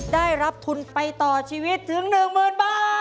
ได้รับทุนไปต่อชีวิตถึง๑๐๐๐บาท